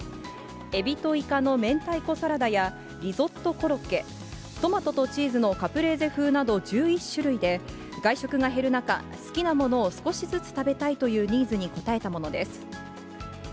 エビとイカの明太子サラダやリゾットコロッケ、トマトとチーズのカプレーゼ風などの１１種類で、外食が減る中、好きなものを少しずつ食べたいというニーズに応えたものです。